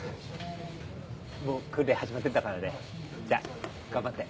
もう訓練始まってんだからね。じゃあ頑張って。